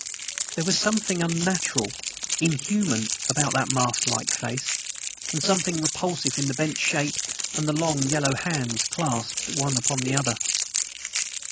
There was something unnatural, inhuman, about that masklike face, and something repulsive in the bent shape and the long, yellow hands clasped one upon the other.